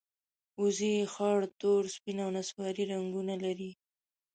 وزې خړ، تور، سپین او نسواري رنګونه لري